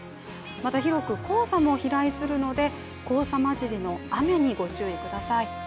また広く黄砂も飛来するので黄砂混じりの雨にご注意ください。